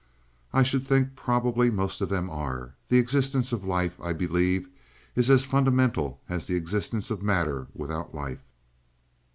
"I should think probably most of them are. The existence of life, I believe, is as fundamental as the existence of matter without life."